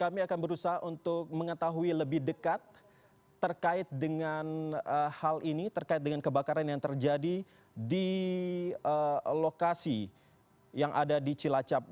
pertamina di cilacap